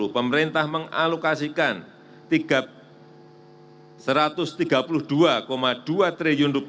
pemerintah mengalokasikan rp tiga ratus tiga puluh dua dua triliun